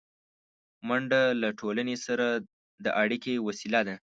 منډه له ټولنې سره د اړیکې وسیله ده